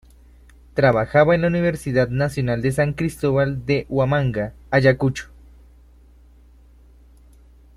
Trabajaba en La Universidad Nacional de San Cristóbal de Huamanga, Ayacucho.